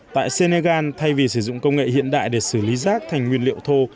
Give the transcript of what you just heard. tại senegal thay vì sử dụng công nghệ hiện đại để xử lý rác thành nguyên liệu thô